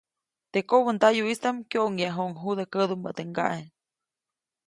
Teʼ kobändayuʼistaʼm kyoʼŋyajuʼuŋ judä kädumä teʼ ŋgaʼe.